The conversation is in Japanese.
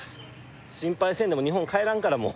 心配せんでも日本帰らんから、もう。